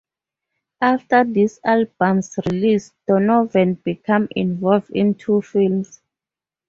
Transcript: After this album's release, Donovan became involved in two films.